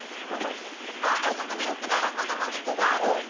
「あっあそこにウクレレこどもじゅくがある」。